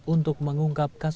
untuk mengangkat pendalaman